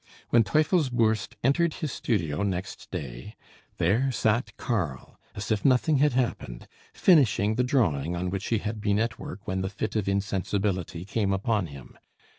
When Teufelsbürst entered his studio next day, there sat Karl, as if nothing had happened, finishing the drawing on which he had been at work when the fit of insensibility came upon him.